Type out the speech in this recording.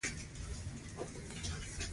تر پانګوالۍ وړاندې د توليد طریقې څیړل کیږي.